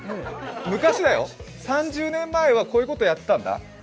昔だよ、３０年前はこういうことやってたんだ。